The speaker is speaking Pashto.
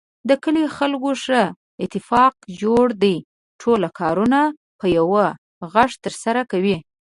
د کلي خلکو ښه اتفاق جوړ دی. ټول کارونه په یوه غږ ترسره کوي.